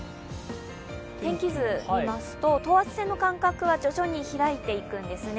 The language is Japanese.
天気図を見ますと、等圧線の間隔が徐々に開いていくんですね。